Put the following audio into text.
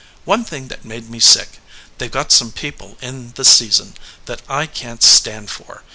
One thing that made me sick they ve got some people in this season that I can t stand for.